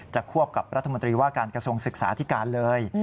ควบกับรัฐมนตรีว่าการกระทรวงศึกษาที่การเลย